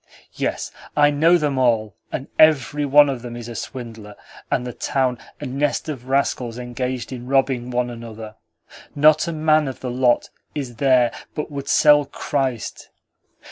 Yes, I know them all, and every one of them is a swindler, and the town a nest of rascals engaged in robbing one another. Not a man of the lot is there but would sell Christ.